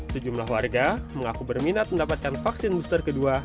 sejumlah warga mengaku berminat mendapatkan vaksin booster kedua